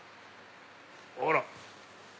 あら！